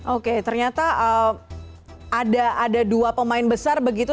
oke ternyata ada dua pemain besar begitu